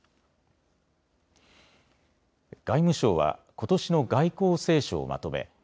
外務省はことしの外交青書をまとめ